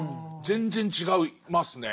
全然違いますね。